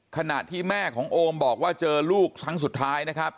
ขณะที่แม่ของโอมบอกว่าเจอลูกครั้งสุดท้ายนะครับ